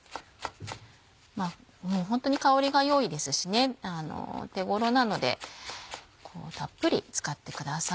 ホントに香りが良いですし手頃なのでたっぷり使ってください。